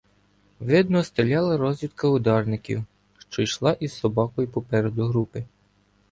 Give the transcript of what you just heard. Видно, стріляла розвідка ударників, що йшла із собакою попереду групи.